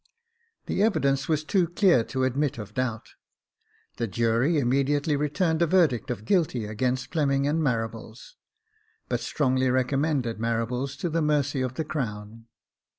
The evidence was too clear to admit of doubt. The jury immediately returned a verdict of guilty against Fleming and Marables, but strongly recommended Marables to the mercy of the crown.